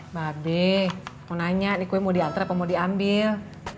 mbak ade mau nanya ini kue mau diantar apa mau diambil